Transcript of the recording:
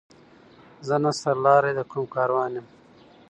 زه نه سر لاری د کوم کاروان یم